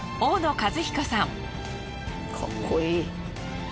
かっこいい。